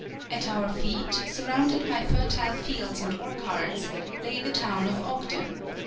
At our feet, surrounded by fertile fields and orchards, lay the toAvn of Ogden.